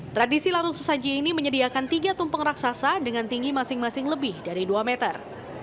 tradisi larung sesaji ini menyediakan tiga tumpeng raksasa dengan tinggi masing masing lebih dari dua meter